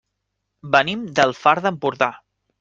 Venim del Far d'Empordà.